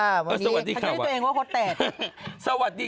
สวัสดีค่ะ